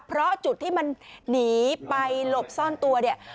เพราะจุดที่มันหนีไปหลบซ่อนตัวเนี่ย